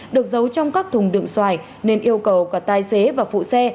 được giấu trong các thùng đựng xoài nên yêu cầu cả tài xế và phụ xe